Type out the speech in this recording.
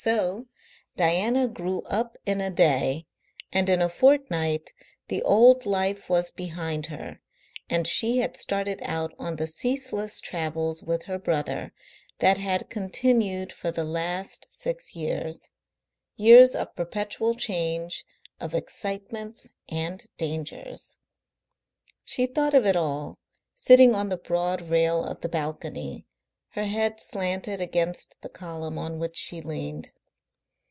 So Diana grew up in a day, and in a fortnight the old life was behind her and she had started out on the ceaseless travels with her brother that had continued for the last six years years of perpetual change, of excitements and dangers. She thought of it all, sitting on the broad rail of the balcony, her head slanted against the column on which she leaned.